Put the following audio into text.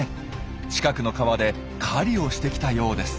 近くの川で狩りをしてきたようです。